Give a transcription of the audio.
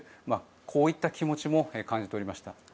こういった気持ちも感じ取れました。